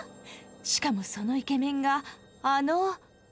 しかもそのイケメンがあの。